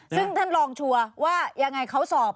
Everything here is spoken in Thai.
ซึ่งท่านลองชัวร์ว่ายังไงเขาสอบ